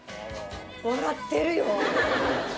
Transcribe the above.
笑ってるよ。